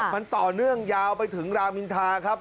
มันต่อเนื่องยาวไปถึงรามอินทาครับ